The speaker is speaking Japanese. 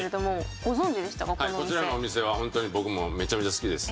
こちらのお店はホントに僕もめちゃめちゃ好きです。